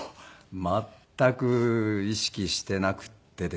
全く意識していなくてですね。